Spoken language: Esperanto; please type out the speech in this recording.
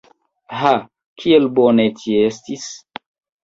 Ha, kiel bone tie estis!